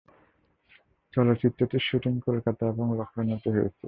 চলচ্চিত্রটির শুটিং কোলকাতা এবং লখনউতে হয়েছিলো।